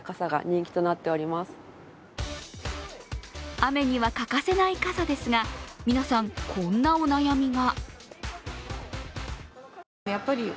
雨には欠かせない傘ですが皆さん、こんなお悩みが。